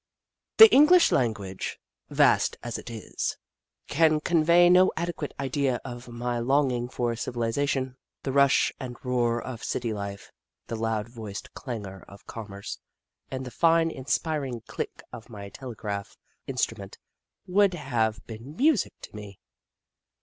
The English language, vast as it is, can con vey no adequate idea of my longing for civil isation. The rush and roar of city life, the loud voiced clangour of commerce, and the fine, inspiring click of my telegraph instrument would have been music to me.